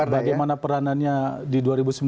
bagaimana peranannya di dua ribu sembilan belas